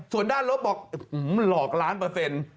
ส่วนด้านลบบอกหลอกล้านเปอร์เซ็นต์